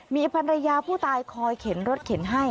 มีภรรยาผู้ตายคอยเข็นรถเข็นให้